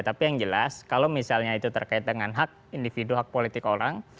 tapi yang jelas kalau misalnya itu terkait dengan hak individu hak politik orang